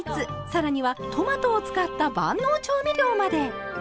更にはトマトを使った万能調味料まで！